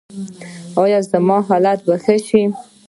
ایا زما حالت به ښه شي؟